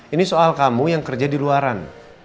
ini soal kamu yang kerja di luaran